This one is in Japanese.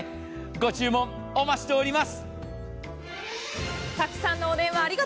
ご注文お待ちしております。